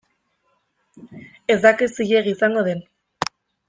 Ez dakit zilegi izango den.